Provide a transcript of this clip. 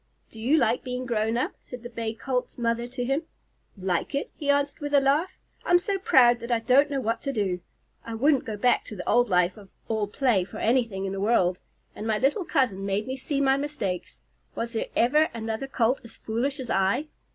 "Do you like being grown up?" said the Bay Colt's mother to him. "Like it?" he answered with a laugh. "I'm so proud that I don't know what to do. I wouldn't go back to the old life of all play for anything in the world. And my little cousin made me see my mistakes. Was there ever another Colt as foolish as I?"